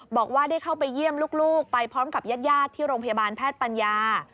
บอกว่าได้เข้าไปเยี่ยมลูกไปพร้อมกับญาติที่โรงพยาบาลแพทย์ปัญญา